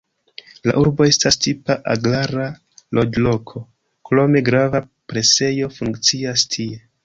La urbo estas tipa agrara loĝloko, krome grava presejo funkcias tie.